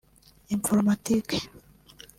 Informatique